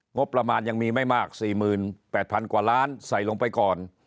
งบประมาณยังมีไม่มาก๔๘๐๐๐กว่าล้านใส่ลงไปก่อน